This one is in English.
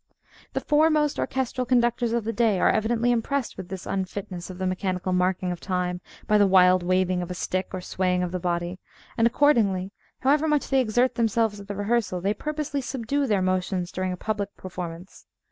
The foremost orchestral conductors of the day are evidently impressed with this unfitness of the mechanical marking of time by the wild waving of a stick or swaying of the body; and accordingly, however much they exert themselves at the rehearsal, they purposely subdue their motions during a public performance.